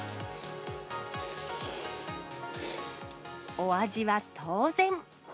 お味は当然。